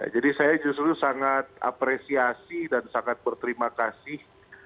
jadi saya justru sangat apresiasi dan sangat berterima kasih